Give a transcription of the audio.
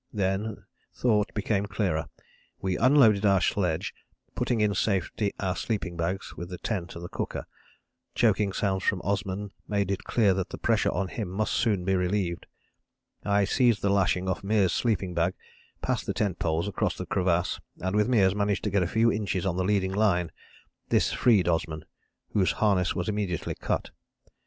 Then thought became clearer. We unloaded our sledge, putting in safety our sleeping bags with the tent and cooker. Choking sounds from Osman made it clear that the pressure on him must soon be relieved. I seized the lashing off Meares' sleeping bag, passed the tent poles across the crevasse, and with Meares managed to get a few inches on the leading line; this freed Osman, whose harness was immediately cut.